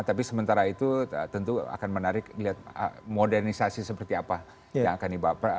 tapi sementara itu tentu akan menarik lihat modernisasi seperti apa yang akan dibawa